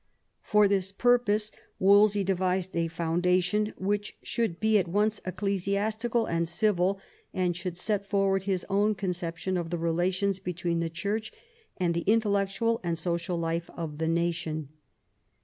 For this purpose Wolsey devised a foundation which should be at once ecclesiastical and civil, and should set forward his own conception of the relations between the Church and the intellectual and social life of the nation.